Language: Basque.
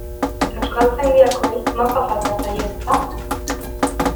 Euskaltzaindiakoei mapa falta zaie, ezta?